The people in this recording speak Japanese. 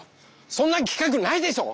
そんなきかくないでしょ！